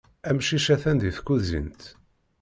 Amcic atan di tkuzint.